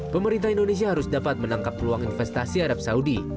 pemerintah indonesia harus dapat menangkap peluang investasi arab saudi